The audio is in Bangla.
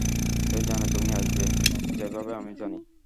সে জানে তুমি আসবে, যেভাবে আমি জানি!